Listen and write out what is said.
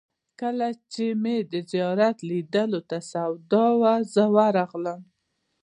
کله چې مې د زیارت لیدلو ته سودا وه، زه ورغلم.